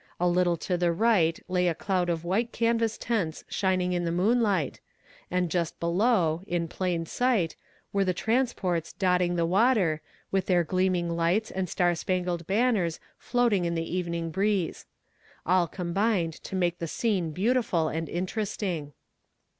A little to the right lay a cloud of white canvas tents shining in the moonlight, and just below, in plain sight, were the transports dotting the water, with their gleaming lights and star spangled banners floating in the evening breeze. All combined to make the scene beautiful and interesting.